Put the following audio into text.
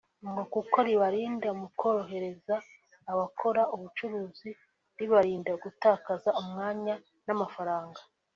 ngo kuko rifasha mu korohereza abakora ubucuruzi ribarinda gutakaza umwanya n’amafaranga